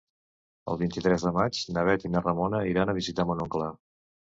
El vint-i-tres de maig na Bet i na Ramona iran a visitar mon oncle.